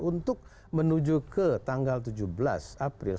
untuk menuju ke tanggal tujuh belas april